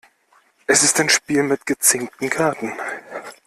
Es ist ein Spiel mit gezinkten Karten.